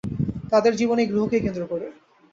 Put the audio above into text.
তাদের জীবন এই গ্রহকেই কেন্দ্র করে।